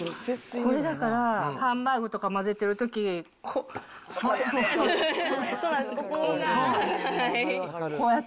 これ、だからハンバーグとか混ぜてるとき、こう。